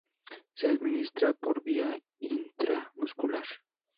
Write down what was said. Se administra por vía intramuscular.